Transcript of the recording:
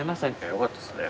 よかったですね。